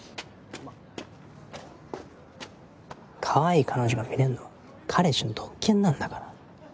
かわいい彼女が見れんのは彼氏の特権なんだから。